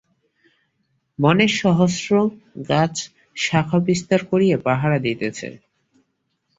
বনের সহস্র গাছ শাখা বিস্তার করিয়া পাহারা দিতেছে।